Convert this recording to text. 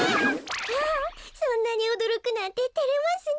そんなにおどろくなんててれますね。